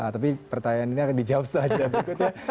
tapi pertanyaan ini akan dijawab setelah jawab berikutnya